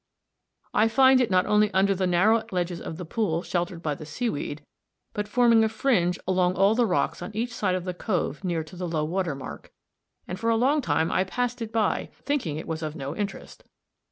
I find it not only under the narrow ledges of the pool sheltered by the seaweed, but forming a fringe along all the rocks on each side of the cove near to low water mark, and for a long time I passed it by thinking it was of no interest.